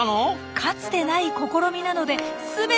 かつてない試みなので全てが手探り。